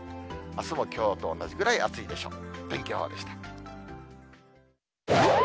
あすもきょうと同じぐらい暑いでしょう。